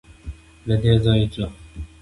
له دې ځايه ځو.